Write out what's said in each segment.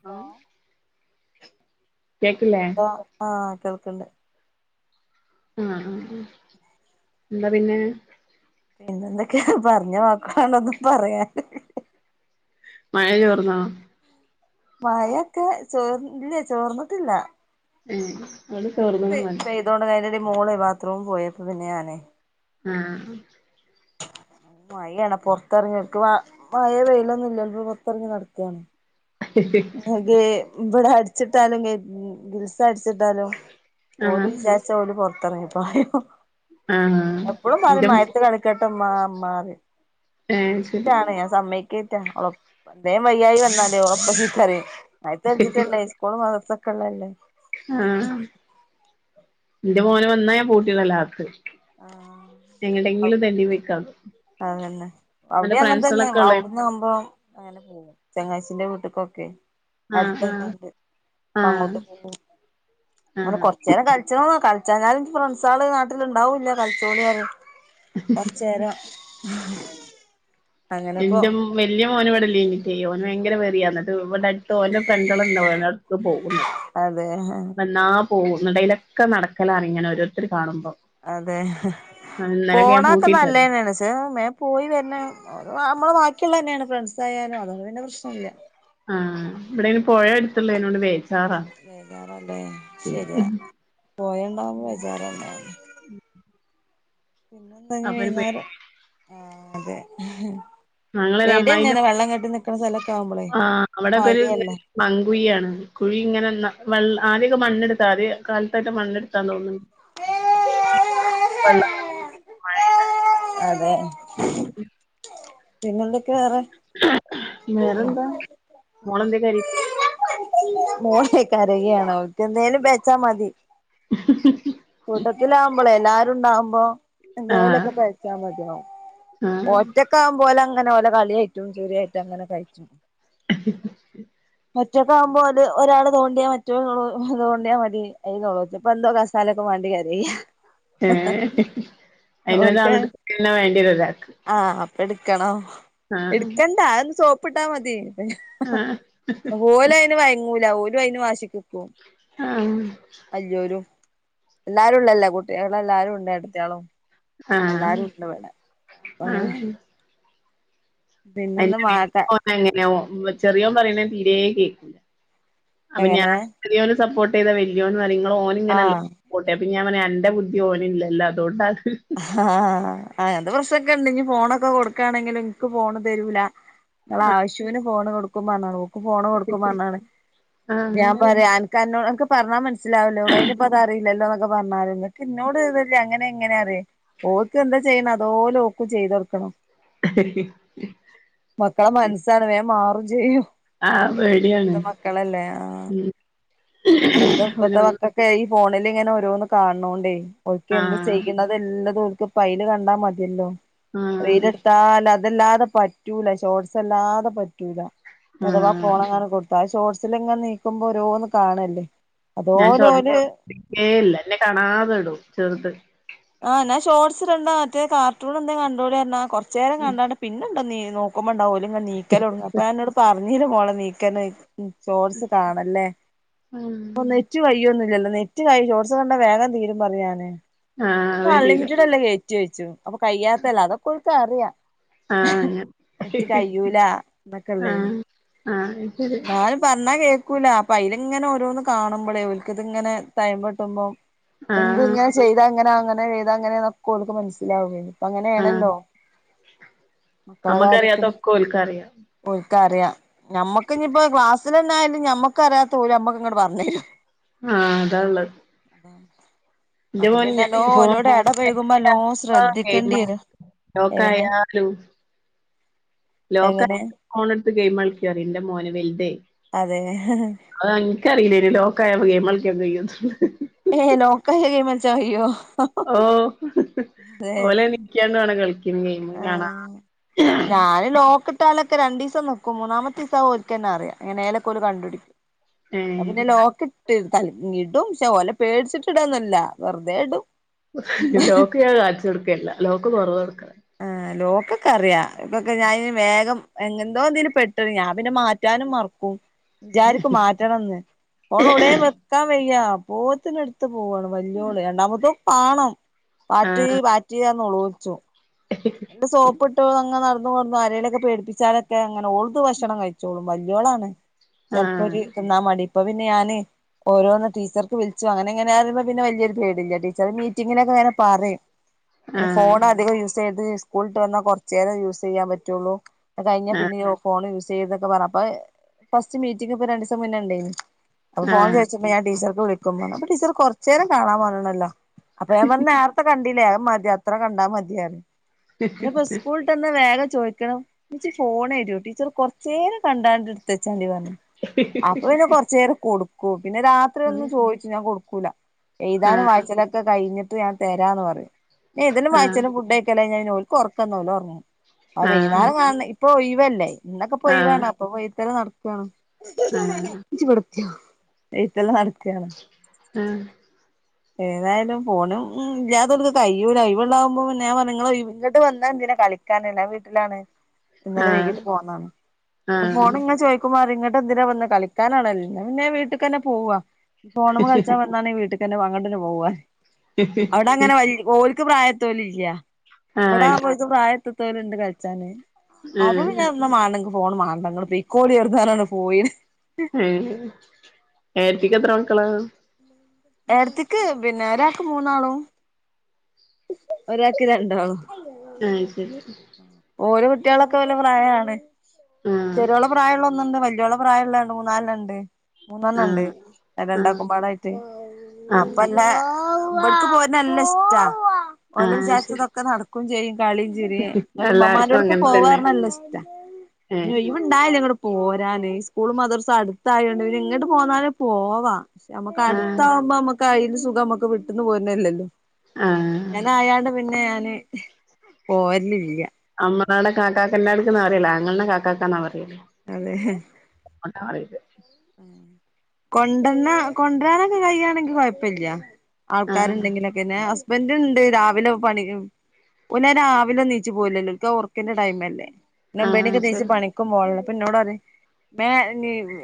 hello ആഹ് കേക്കില്ലേ ആഹ കേൾക്ക്ണ്ട് ആഹ ആഹ എന്താ പിന്നെ പിന്നെന്തൊക്കെയ പറഞ്ഞ വക്കണ്ട ഒന്നും പറയാൻ മഴ ചോർന്നോ മഴൊക്കെ ചോർ ഇല്ലേ ചോർന്നിട്ടില്ല ഏഹ് അവിടെ മന ചോർന്ന്ണ് പെയ ഇതുകൊണ്ട് അയിന്റെ എടിയിലെ മോള് ബാത്റൂം പോയി അപ്പം പിന്നെ ഞാനെ ആഹ മഴാണ് പുറത്തിറങ്ങി മഴ വെയിലൊന്നുമല്ല പുറത്തിറങ്ങി നടക്കുകയാണ് [unintelligible] ഇബടെ അടച്ചിട്ടാലും ഗിൽസ് അടചിട്ടലും ഓൽ ആഹ് വിജരി ച ഓല് പറത്തിറങ്ങിപ്പയും ആഹ് എപ്പോഴും ന്റെ പറയും മഴത്തി കളി കട്ടെ മാമ്മ മാമ്മ പറിം ഏഹ് ഇനിക്ക് ശരി ഇഷ്ടാണ് ഞാൻ സമ്മയ്ക്കയിട്ട എന്തേ വയ്യായി വന്നല്ലെ ഒളെ ഇപ്പ ചീത്ത പറയും കളിച്ച്ച്ചിട്ടല്ലെ സ്കൂളും മദ്രസ്സും ഒക്കെ ഉള്ളല്ലേ ആഹ ഇന്റെ മോന് വന്ന ഞാൻ പൂട്ടി ഇടല അകത്ത് ആഹ ഔ എങ്ങട്ടെങ്കിലും തെണ്ടി പോയിക്കാണും അതന്നെ ഓന്റെ അവൂടിം അങ്ങനെന്നെ ഫ്രണ്ട്സളൊക്കെ ഔ ഉള്ളെ ആകുമ്പം അങ്ങനെ പോകും ചങ്ങാച്ചിന്റെ വീട്ട്ക്കൊക്കെ അടുത്ത് ആഹ് ആഹ് തന്നെണ്ട് ആഹ് അങ്ങോട്ട് പോകും അവൻ ആഹ് കൊറച്ചേരം കളിച്ച കളിച്ചണം കളിച്ചാഞാല് ഫ്രണ്ട്സള് നാട്ടിലുണ്ടാവൂല്ല കളിച്ചോളി പറയും കുറച്ചേരം ഇന്റെ വല്യയ മോൻ ഇവിടെ ഇല്യഞ്ഞിടെ ഓന് ഭയങ്കര വെറിയ ഇന്നട്ട് ഇവിടെആടുത് ഓന്റെ ഫ്രണ്ടള് ഇണ്ട വോലേ പോകുന്നുണ്ട് അതെ വേന്നാ പോകും ഇന്നട്ട് അയിലൊക്കെ നടക്കലാണ് ഇങ്ങനെ ഓരോരുത്തർ കാണുമ്പോ അതെ ആ ഇന്നലൊക്കെ ഞാൻ പോണൊക്കെ പൂട്ടിയിട്ടത് നല്ലതെന്നണ് മേ പോയി വര്നേ നമ്മളെ ബാക്കിയ്ള്ളത് തന്നെയാണ് ഫ്രണ്ട്സ് ആയാലും അതോണ്ട് പിന്നെ പ്രശ്നല്ല ആഹ് ഇവിടെ ഇയ്ന് പുഴയ എട്ത്ത് ള്ളേണ്ട് [unintelligible] അതിനോണ്ട് വേ വേചാറല്ലേ ശരിയാ പോയണ്ടാവുമ്പോ വിചാറല്ലേ പിന്നെ എന്താ ഇഞ്ഞ് അപ്പൊ ഒരു പേ വേയ്ന്നാരം ആ അതെ ഞങ്ങളൊരു പേടി അമ്മായിന്റെ എന്നെയാണ് വെള്ളം കെട്ടി നിക്ക്ണ സ്ഥലേക്കെ ആവുമ്പോളേ ഇപ്പം മഴല്ലേ മങ്കുയിയാണ് കുഴി ഇങ്ങനെ വെള ആദ്യക്കെ മണ്ണെട്ത്താൽ കാലത്തായിട്ട് മണ്ണെടുത്താന്ന് തോന്നുന്നുണ്ട് [inaudible] അ [inaudible] മഴപെയ്തോ അതെ പിന്നെ എന്തൊക്കെ വേറെ വേറെന്താ മോൾ എന്താ കരയ്ണെ മോളേ കരയണ് ഓക്ക് എന്തേലും പേയച്ച മതി ഉ കൂട്ടത്തില ആകുമ്പോളേ എല്ലാരും ഉണ്ടാവുമ്പോ ആഹ് എന്തേലേക്കെ പേ ച്ച മതിയാവും ആഹ് ഓറ്റക്ക് ആകുമ്പോ ഓല അങ്ങനെ ഓലെ കളിയായിട്ടും ചിരിയിട്ടും അങ്ങനെ കഴിച്ചും [unintelligible] മറ്റൊക്കവുമ്പോ ഓല് ഒരാള് തോണ്ടിയാ മറ്റോ തോണ്ടിയാൽ മതി അപ്പേ അയിന് നോ നോളേള്ളിച്ചും ഇപ്പോ എന്തോ [unintelligible] വേണ്ടി കരയ്യ പിന്നെ വേണ്ടി [unintelligible] ആഹ അപ്പൊ ഇടുക്കണം ഇട്ക്കണ്ടാ ഒന്ന് സോപ്പിട്ടാ മതി ആഹ് ഓല അയിന് വയങ്ങൂല ഓലും അയിന് വാശിക്ക്ക്കും ആഹ വെല്യോലും എല്ലാരുംള്ളല്ലേ കുട്ടിൾ എല്ലാരും ഉണ്ട് എടത്തയാളും ആഹ് ലൊ പെണെ അപ്പങ്ങനെ മാക്ക [unintelligible] ചെറിയോം പറിണത് തീരേകേക്കൂല അപ്പൊ ഞ്യാ എങ്ങനെ ചെറിയോനോട് സപ്പോർട്ടിതാ വല്യോൻനറിം ങ്ളോ ഓന്ങ്ങനല്ലോ ആഹ് പോട്ടെ പ്പിഞാൻ പറഞ്ഞു എന്റെ ബുദ്ധി ഓനില്ലല്ലോ അതൊണ്ടാക്ക് ഹ്ഹാ അയൻത്തെ പ്രശ്നക്കെണ്ട് ഇഞ്ഞ് ഫോണൊക്കെ കൊട്ക്കാണങ്കില് ൻക്ക് ഫോണ് തരൂല ങ്ങള ആശ്യൂന് ഫോണ് കൊടുക്കുമ്പറഞ്ഞാണ് ഓക്കും ഫോണ് കൊട്ക്കുമ്പർഞ്ഞാണ് പ്പിഞ്യ ആഹ് പറിയാ കാര്നോ അൻക്ക് പറഞ്ഞാ മനസ്സിലാവലോ അയ്നിപ്പത് അറീലല്ലോ ന്നൊക്കെ പറഞ്ഞാല് കിന്നോട്തല്ലേ അങ്ങനെ ഇങ്ങനെ അറി ഓൾക്ക് ന്താചെയ്യണ് അതോ ലോ ഓക്കും ചെയ്തൊട്ക്കണം [inaudible] മക്കളെ മൻസ്സാണ് വേം മാറുചെയ്യു ആഹ് പേടിയാണ് പ്പത്തെ മക്കളല്ലേ ആ ഉം എന്താ ഒരു ഇപ്പത്തെ മക്കൾ ക്കെ ഇ ഫോണില്ങ്ങനെ ഓരോന്ന് കാൺണോണ്ടെയ് ഒൽക്കെന്തു ആഹ് ചെയ്യുണത് തെല്ലതും ഓൽക്ക് പ്പപൈല് കണ്ടാ മതിയല്ലോ ആഹ് വെയില്ട്ത്താല ഇതല്ലാതെ പറ്റൂല ഷോർട്സല്ലാതെ പറ്റൂല അഥവാ ആഹ് ഫോണങ്ങാനും കൊട്ത്താ ഷോർഡ്സ് സിലങ്ങെൻ നീക്കുമ്പോ ഒരോന്ന് കാണല്ലേ ഞാൻ അതോല് ഷോ ഓല് ട്ക്കെല്ല ന്നെ കാണാതെ ഇടും ചെർത് ആഹ് നാ ഷോർട്സ്ടണ്ടാ മറ്റേ കാർട്ടൂണന്തെ കണ്ടോളിർണാ കൊറച്ചേരം കണ്ടണ്ട് പിന്നണ്ടോ നീ നോക്കുമ്പോണ്ടാവോല് ങ്ങെനെ നീക്കലോട്ങ്ങാ അപ്പ ഞാന ന്നോട് പറഞ്ഞിലെ മോളെ നീക്കനഅ് ഉം സോഡ്സ് കാണല്ലേ പ്പൊന്ന് റ്റ് കയ്യുന്നുല്യല്ലോ നെറ്റ് കൈ ഷോഡ്സ് കണ്ട വേഗം തീരും പറയാന് ആഹ് വരില്ല അൺലിമിറ്റഡല്ലേ നെറ്റോയ്ച്ചും അപ്പ കയ്യാത്തല്ലേ അതക്കൊന്ന് സാരല്യ ആഹ് അങ്ങനെ നെറ്റ് കയ്യൂല ന്നക്കള്ളര് ആഹ് ആഹ് ശരി ന്നാലും പറഞ്ഞാ കേക്കൂല്ല അപ്പയിന്ങ്ങനെ ഓരോന്ന് കാണുമ്പളേ ഒൽക്ക്ത്ങ്ങനെ തയംമ്പൊട്ട്മ്പോ എന്ത് ഞ് ആഹ് അങ്ങനെ ചെയ്താ ങ്ങനാകു അങ്ങനെ ചെയ്താ ഇങ്ങനെക്കെ ഓൽക്ക് മനസ്സിലാവും വേഗം പ്പ ആഹ് അങ്ങനെണല്ലോ മക്കളെ കാര്യത്തില് നമ്മക്കറിയാത്തൊക്കെ ഓൽക്കറിയാം ഒൽക്ക അറിയ ഞമ്മക്ക്ഞ്ഞ്പ്പോ ക്ലാസ്സ്നെന്നായാലും ഞമ്മക്കറിയാത്ത ഓല് മ്മക്ക്ങ്ങട്ട്പറഞ്ഞേരും ആഹ് അതാള്ള [inaudible] ൻ്റെ അപ്പൊ പിന്നെ മോൻന്നെ ഐ നല്ലോ ഫോൺ ഓലോട് എടപഴകുമ്പോ നല്ലോം [unintelligible] ക്കൊ ശ്രദ്ധിക്കേണ്ടി ഗൈമാ വരും എങ്ങനെ ലോക്കായാലു ലോക്ക എങ്ങനെ ഫോണ് ട്ത്ത് ഗൈമ്ളിക്കാറി ന്റെ മോന് വൽദ് അതെന്നെ അഹ് ൻക്കറിലേനു ലോക്കായ ഗൈമൾക്കൊക്കെയ്യു ഹേ ഹേ ലോക്കായ ഗൈമൾച്ചാകയ്യോ ഓ ഒലെ നിക്യാൺ വേണം കളി ആഹ് ഞാന് ലോക് ട്ടാലൊക്കെ രണ്ടിസം ന്ന്ക്കും മൂന്നാമത ത്തിസഓൽക്കലന്നെറിയാ എനെ ലൊക്കൊ ഓല്കണ്ട്ടി ഉം പിന്നെ ലോക്ക്ട്ട് തൽങ്ങീട്ടും ക്ഷെ ഓലെപേട്ച്ചിട്ട്ടന്നല്ല വെർതെ ടും ലോക്ക് ഞാൻ കാൺച്ചോട്ക്കെല്ല ലോക്ക് തൊറന്നോട്ക്ക ആഹ് ലോക്ക്ക്കെറിയാ ഇപ്പക്കെ ഞാ യ്ന് വേഗം എങ് ന്തോന്നില് പെട്ടത് ഞാ പിന്നെ മാറ്റാനും മർ ഉം ജാരിക്കും മാറ്റണംന്ന് ഫോണൊ വ്ടെ വെക്കാവയ്യാ പോത്തിന് ത്ത് പോവാണ് വല്യോള് രണ്ടാമത്തവും പാണം പാറ്റ് പാറ്റ് ർളോളോൾച്ചു എഹ് ട്ട് സോപ്ട്ട് അങ് നട്ന്ന് കൊട്ന്നാ രെലൊക്കെ പേടിപ്പിച്ചാലെക്കെ അങ്ങനെ ഓൾക്ക് ഭക്ഷണം കയിച്ചോളും വല്യോളാണ് ആ ചെൽപ്പൊര് തിന്നാമടി പ്പൊപിന്നെ ഞാന് ഓരോന്ന് ട്ടീച്ചർക്ക് വിൾച്ചു അങ്ങനെ ങ്ങനെ റിമ്പോ പിന്നെ വല്യരു പേടില്ല ടീച്ചർ മീറ്റിങ്ങിനൊക്കെ ങ്ങനെപറി ആ ന്നെ ഫോണഅധികം യൂസിയര്ത് സ്കൂൾട്ട് വന്നാ കൊർച്ചേരം യൂസിയാം പറ്റൊള്ളു കയ്ഞ്ഞ ആ പിന്നെ ഒഫോൺ യൂസിയർത് ക്കെപറ അപ്പ ഫസ്റ്റ് മീറ്റിംഗ് ഇപ്പൊ രണ്ടിസം മുന്നേണ്ടായ്ന് അപ്പോ ആ ആ ഫോണ് ചോദിച്ചപ്പോ ഞാൻ ടീച്ചർക്ക് വിളിക്കും അപ്പൊ ടീച്ചർ കുറച്ച് നേരം കാണൻ പറഞ്ഞല്ലോ അപ്പൊ ഞാൻ പറഞ്ഞു നേരത്തെ കണ്ടീല്ലേ മതി അത്ര കണ്ടാ മതി ഇപ്പോ സ്കൂൾ ഇന്ന് വേഗം ചോദിക്ക്ണ് ഇച്ച് ഫോണ് തരോ ടീച്ചർ കുറച്ചു നേരം കണ്ടാണ്ട് എടുത്ത് വെച്ചാളി അപ്പൊ പിന്നെ കൊറച്ച് നേരം കൊടുക്കൂം പിന്നെ രാത്രി ഒന്നും ചോയിച്ച ഞാൻ കൊടുക്കൂല ആ എഴുതാനും വായിച്ചലൊക്കെ കഴിഞ്ഞിട്ട് ഞാൻ തരാന്ന് പറഞ്ഞു എഴുതലും ആ വായിച്ചലും ഫുഡും ഓൽക്ക് ഉറക്കം ഉണ്ടാവുല്ല ആ വൈകുന്നോരം ഇപ്പൊ ഒയ്യിവല്ലേ ഇന്നൊക്കെ ഇപ്പെ ആ ആ ഒയിവാണ് പോയി വേണം അപ്പൊ പോയിത്തര നടക്കുവാണ് ആ ആ ഇഞ്ചപടുത്തിയോ എഴുത്ത് എല്ലാം നടക്കാണ് ആ ഏതായാലും ഫോണും ഇല്ലത്തെ ഒന്നും കഴ്യൂല ഇ ഒഴിവുണ്ടാകുമ്പോൾ ഞാൻ പറഞ്ഞ് ഇങ്ങട്ട് വന്നാ എന്തിന കളിക്ക ഞാൻ വീട്ടിലാണ് ഇന്നലെ വൈകീട്ട് പോന്നാണ് ആ അപ്പൊ ഫോൺ ഇങ്ങനെ ചോയ് ഇവൻ്റമാർ ഇങ്ങോട്ട് എന്തിന വന്നെ കളിക്കാനാണല്ലന്നെ പിന്നെ വീട്ടക്ക്ന്നെ പോവാം ഫോണ്മോ കളി വീട്ടക്ക്ന്നെ പോവാം അങ്ങണ്ടെനെ പോവാൻ അവിടെ അങ്ങനെ ഓരിക്ക് പ്രായത്തോല ഇല്ല ആ ആ ഇവിടെ ആവുമ്പോ ഓൾക്ക് പ്രായം ഉള്ളോർ തോലുണ്ട് കഴിച്ചാന് അപ്പൊ ആ പിന്നെ മാണങ്ക ഫോണ് മാന്ഡ ഇങ്ങൾ പൊയ്ക്കോലി ചെറുതാനാണ് പോയി ഏ ഏട്ടത്തിക്ക് എത്ര മക്കള ഏട്ടത്തിക്ക് പിന്നെ ഒരാക്ക് മൂന്നാളും ഒരാക്കി രണ്ടാളും ആഹ് ശരി ഓരോ കുട്ടികളൊക്കെ ഓല്ലെ പ്രായമാണ് ആഹ് ചെറിയോള പ്രായമുള്ള ഒന്നുണ്ട് വലിയള പ്രായള്ള രണ്ട് മൂന്നാല്ലണം ഉണ്ട് മൂന്നെണ്ണം ഉണ്ട് ആഹ് രണ്ടാക്കും ആഹ് പാടായിട്ട് ആഹ് അപ്പല്ല ഇ പോ നല്ല ഇഷ്ടാ ഓലെ ആഹ് ശരി വിചാരിച്ചതൊക്കെ നടക്കയും ചെയ്യും കളിയും ചിരിയും ഇങ്ങോട്ട് എല്ലാർക്കും ഉമ്മമാരോട്ക്ക് അങ്ങനെ പോവാന്ന് തന്നെ പറഞ്ഞ നല്ല ഇഷ്ട ഏഹ് ഉണ്ടായില്ല ഇങ്ങോട് പോരാന് ഈ സ്കൂൾ മദർസ് അടുത്തായോണ്ട് പിന്നെ ഇങ്ങോട്ട് പോന്നാല പോവാ നമ്മുക്ക് ആഹ് അടുത്താവുമ്പോ നമ്മുക്ക് അയിൽ സുഖം നമ്മുക്ക് വിട്ടന്ന് പോരുന്നല്ലല്ലോ ആഹ് ഇങ്ങനെ ആയാണ്ട് പിന്നെ ഞാൻ പോരലില്ല അമ്മടെ കാക്കൻന്റെ അടുക്കന്നന്ന് അറിയില്ല അഞങ്ങളുടെ കാക്കന്നാ പററിയില്ലേ അതെ കൊണ്ടരാന്നാവില്ല കൊണ്ടന്ന കൊണ്ടുവരാനൊക്കെ കഴിയയാണെങ്കിൽ കുഴപ്പമില്ല ആഹ് ആൾക്കാർണ്ടെങ്കിലുംക്കെ പിന്നെ ഹസ്ബൻ്റ് ഉണ്ട് രാവിലെ പണി ന്ന രാവിലെ നീച്ചി പോലല്ലോ ന്റെ ടൈംല്ലേ ആഹ് മുമ്പേടക്ക് നീച്ചച്ച് ശരി പണിക്കും പോകപ്പ എന്നോട് അ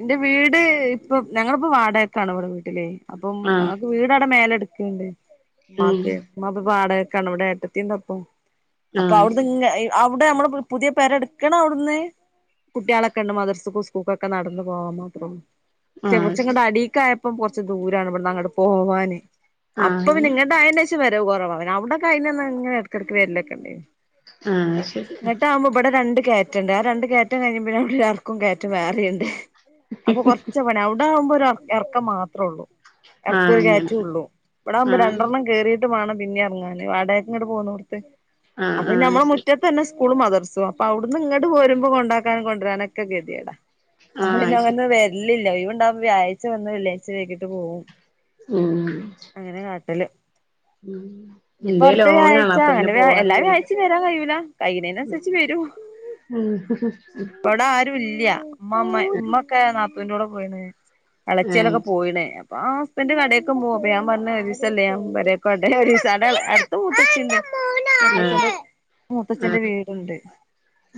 എന്റെ വീട് ഇപ്പൊ ഞങ്ങളിപ്പോ വാടകക്കാണ് ഇവിടെ വീട്ടിലെ അപ്പം ആഹ് വീടടെ മേലെ എടുക്കുണ്ട് ഉം അമാക്ക് ഇമ്മ വാടകക്കാണ് ഇവിടെ ഏട്ടത്തിണ്ട് അപ്പൊ അപ്പൊ ആഹ് അവിടുന്ന് ശരി ഇങ്ങനെ അവിടെ നമ്മൾ പുതിയ പേരെടുക്കണം അവിടുന്ന് കുട്ടികളൊക്കെ ഉണ്ട് മദർസും സ്കൂൾക്കൊക്കെ നടന്ന് പോവാൻ മാത്ര പക്ഷെ ആഹ് കുറച്ച് ശരി ഇങ്ങോട്ട് അടിക്ക് ആയപ്പം കൊറച്ച് ദൂരാണ് ഇവിടെ അങ്ങോട്ട് പോവാന് അപ്പൊ പിന്നെ ആഹ് നിങ്ങട്ട് ആയോൻ്റെ ശേഷം വരവ് കുറവ അവിടെ ആയന്ന് എന്നും ഇങ്ങനെ ഇടക്കടക്ക് വരിലൊക്കെണ്ട അങ്ങനെ ആഹ് ശരി ഇങ്ങട്ട് ആകുമ്പോ ഇവിടെ രണ്ട് കയറ്റ് ണ്ട് ആ രണ്ട് കേറ്റം കഴിന്നെ അവിടെ ആർക്കും കേറ്റ വേറെയുണ്ട് അപ്പൊ കൊറച്ച് ഇവിട ആകുമ്പോ ഇറക്കം മാത്രേ ഉള്ളൂ ആഹ് ഇറക്ക ഒരു കാറ്റ അങ്ങനെ ഉള്ളു ഇവിടെ ആകുമ്പോ ആഹ് രണ്ടെണ്ണം കറിട്ട് എന്നിട്ട് വേണം പിന്നെ ഇറങ്ങാൻ വടക്കങ്ങിട്ട് പോന്നടുത്ത് ആഹ് അപ്പ ആഹ് നമ്മളെ ശരി മുറ്റം അവിടെ തന്നെ സ്കൂൾ മദർസും അപ്പൊ അവിടുന്ന് ഇങ്ങോട്ട്രുമ്പോ കൊണ്ടാക്കാനും കൊണ്ടുവരാനൊക്കെ ഗതികേട് അപ്പോ പിന്നെ ആഹ് ശരി അങ്ങനെ വരലില്ല ലീവ് ഉണ്ടാമ്പോ വ്യാഴ്ച വന്ന് വെള്ളിയാഴ്ച വയ്കിട്ട് പോവും മ് അങ്ങനെ കാട്ടൽ ഇപ്പോ ഇന്റെ അടുത്ത ലോങ്ങാണ് വ്യാഴച്ച അപ്പൊ പിന്നെ അങ്ങനെ വ്യഴാ പോവാനും എല്ലാ കഴിയില്ല വ്യാഴ്ച്ച വരാൻ കഴിയുല്ല കഴിനേനനുസരിച്ചു വരും മ് ഹ് ഹ ഇവിടെ ആരും ഇല്ല ഇമ്മമ്മ ഉമ്മക്കെ നാത്തൂന്റോടെ പോയിണ് ആഹ് എളച്ചൽൊക്കെ പോയിണ് ആ ഹസ്ബൻഡ് കടൊക്കെ പോവും അപ്പ ഞൻ പറഞ് ഒരുരിസല്ലേ ഞാൻ പേരെക്കോട്ടെ അടുത്ത് [unintelligible] മൂത്തച്ഛന്റെ ആഹ് മൂത്തച്ഛന്റെ ആഹ് വീടുണ്ട്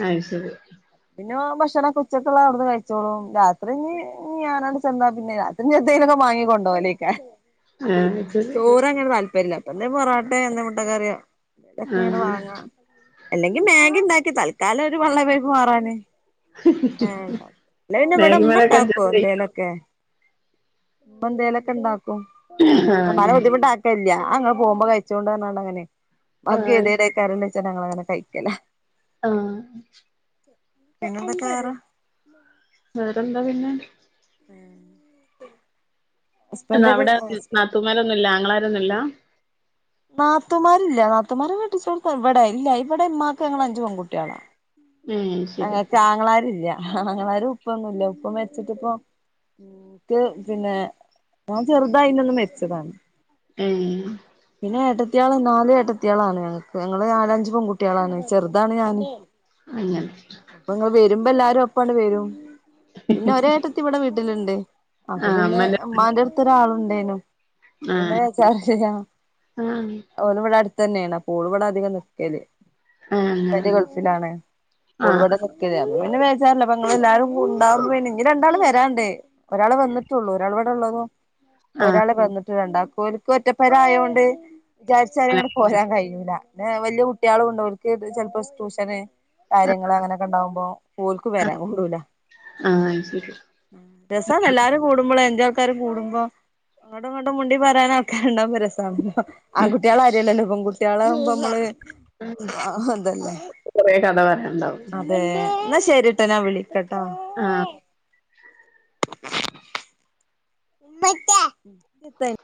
അത് ശരി പിന്നെ ഭക്ഷണ ഉച്ചക്കെള്ള അവിടുന്ന് കഴി ചോളും രാത്രി ഞ് ഞാനാണ്ട് ചെന്നാല് പിന്നെ രാത്രി എന്തേലുംക്കെ മാങ്ങിക്കൊണ്ട പോകലേകാരം ആഹ് അത് ശരി ചോറ് അങ്ങനെ താല്പര്യല്ല അപ്പൊ എന്താ പൊറാട്ടോ എന്താ മുട്ട കറിയോ ക്കെ ഇങ്ങനെ ആഹ് വാങ്ങാ അല്ലെങ്കി മാഗി ഇണ്ടാക്കി തല്ക്കാലം ഒരു പള്ളേ പയ്‌പ്പ് മാറാന് [inaudible] അല്ല പിന്നെ ഇവിടെ ഇമ്മ ബാഗിമ്മലൊക്കെ ഉണ്ടാക്കോ അഡ്ജസ്റ്റ് ചെയ്യും എന്താല ക്കെ മ്മ എന്തേലൊക്കെ ഇണ്ടാക്കും ആഹ് ഉമ്മാനെ അങ്ങനെ ബുദ്ധിമുട്ട ല്ല അങ്ങൾ പോവുമ്പോ കഴിചോണ്ട് പറഞ്ഞാണ്ട് അങ്ങനെ മാക് ആഹ് അത് ക്കെതിയേഡ് ശരി കാരം വെച്ചാ അങ്ങനെ അങ്ങനെ കഴിക്കല ആ പിന്നെന്തൊക്കെ വേറെ വേറെന്താ പിന്നെ ഉം എന്ന അവിടെ നാത്തൂമാരൊന്നും ഇല്ല ആങ്ങളരൊന്നും ഇല്ല നാത്തുമാരില്ല നാത്തുമാര് കെട്ടിച്ചോടാത്ത ഇവിടെ ഇല്ല ഇവിടെമ്മാക്ക് ഞങ്ങളഞ്ചു പെകുട്ടിയള ഏഹ് ശരി അങ്ങക്ക് ആങ്ങളാരില്ല ആങ്ങളാരും ഉപ്പന്നുംല്ല ഉപ്പ മരിച്ചിട്ടിപ്പോ ക്ക് പിന്നെ ഞാൻ ചെറുതായിന്ന് മരിച്ചതാണ് ഉം പിന്നെ ഏട്ടത്തിയാള് നാല് ഏട്ടത്തിയാളാണ് ഞങ്ങക്ക് ഞങ്ങള് നാലഞ്ച് പെകുട്ടിയളാണ് ചെറുതാണ് ഞാൻ അങ്ങനെ അപ്പ ഞങ്ങള് വരുമ്പോ എല്ലാരും ഒപ്പാണ്ട് വരും പിന്നെ ഒരേട്ടത്തി ഇവിടെ വീട്ടില് ണ്ട് അപ്പൊ ആഹ് പിന്നെ അമ്മന്റെ ഇമ്മാന്റെ അടുത് ഒരാളുണ്ടേനും പിന്നെ വച്ചാ ആ ഓള് ഇവിടെ അടുത്തെന്നെയാണ് അപ്പോ ഓള് ഇവിടെ അധികം നിക്കല് ആഹ് അങ്ങനെ ബൻഡ് ഗൾഫിലാണ് ഓള് ആഹ് ഇവിടെ നി അന്ന് പിന്നെ വേച്ചാറില്ല അപ്പ അങ്ങ എല്ലാരും ഉണ്ടാവുമ്പോന്നെ ഇനി രണ്ടാൾ വരാണ്ട് ഒരാള് വന്നിട്ടുള്ളൂ ഒരാൾ ഇവിടെ ഉള്ളതോ ആഹ് ഒരാളെ വന്നിട്ട് രണ്ടാക് ഓല്ക് ഒറ്റപ്പര ആയോണ്ട് വിചാരിച്ചാരി അങ്ങനെ അങ്ങെട്ട് പോരാൻ കഴിയുല്ല പിന്നെ വലിയ കുട്ടിയളുണ്ട് ഒല് ക്ക്‌ ചിലപ്പോ ട്യൂഷന് കാര്യങ്ങള് അങ്ങനൊക്കെ ഉണ്ടാവുമ്പോ ഓർക്ക് ആഹ് വരാൻ കൂടുല്ല ആഹ് അത് ശരി രസന്ന് എല്ലാരും കൂടുമ്പോള് അഞ്ചാള് ആൾക്കാര് കൂടുമ്പോ അങ്ങോട്ടും ഇങ്ങോട്ടും മുണ്ടി പറയാന ആൾക്കാരുണ്ടാവുമ്പോ രാസാണല്ലോ ആൺകുട്ടികളാരില്ലല്ലോ പെൺകുട്ടികളവു മ്പോ ഇമ്മള് ഉം കുറെ കഥ പറയാനുണ്ടാവും ആ എന്നാ ശരിട്ടെ ഞാൻ വിളിക്കട്ടോ ആ [inaudible]